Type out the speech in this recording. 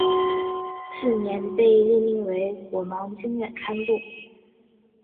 次年被任命为果芒经院堪布。